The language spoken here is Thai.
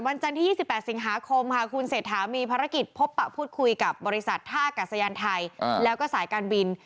จันทร์ที่๒๘สิงหาคมค่ะคุณเศรษฐามีภารกิจพบปะพูดคุยกับบริษัทท่าอากาศยานไทยแล้วก็สายการบิน